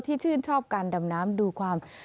ชื่นชอบการดำน้ำดูความ